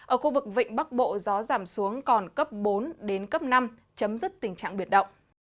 ở khu vực vịnh bắc bộ gió giảm xuống còn cấp bốn năm chấm dứt tình trạng biệt động